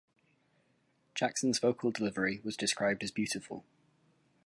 Jackson's vocal delivery was described as beautiful.